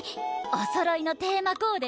おそろいのテーマコーデ